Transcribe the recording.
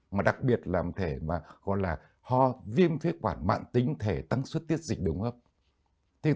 mà đặc biệt làm thể mà gọi là ho viêm viết quản mạng tính thể tăng suất tiết dịch đường hấp đúng không